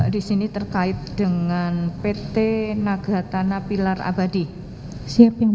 disini terkait dengan pt nagatana pilar abadi siap yang